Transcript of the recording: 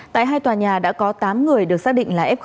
tại hai tòa nhà đã có tám người được xác định là f một